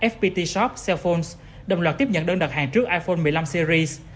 fpt shop sephone đồng loạt tiếp nhận đơn đặt hàng trước iphone một mươi năm series